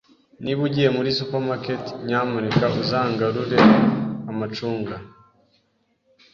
Niba ugiye muri supermarket, nyamuneka uzangarure amacunga?